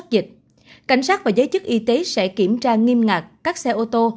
dịch cảnh sát và giới chức y tế sẽ kiểm tra nghiêm ngạc các xe ô tô